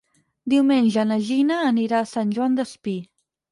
Diumenge na Gina anirà a Sant Joan Despí.